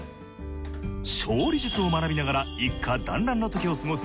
勝利術を学びながら一家団らんのときを過ごす